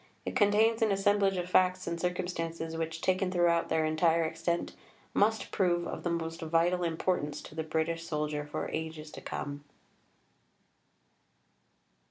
It contains an assemblage of facts and circumstances which, taken throughout their entire extent, must prove of the most vital importance to the British soldier for ages to come."